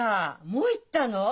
もう言ったの？